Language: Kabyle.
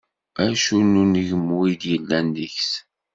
Acu n unegmu i d-yellan deg-s?